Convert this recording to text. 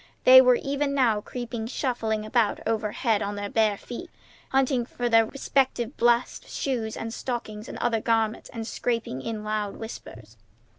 They were even now creeping shufflingly about overhead on their bare feet, hunting for their respective best shoes and stockings and other garments, and scrapping in loud whispers.